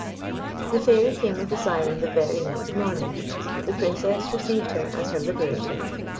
The Fairy came with the Syren the very next morning; the Princess received her as her liberator.